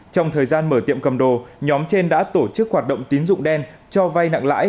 trong thời gian mở tiệm cầm đồ nhóm trên đã tổ chức hoạt động tín dụng đen cho vay nặng lãi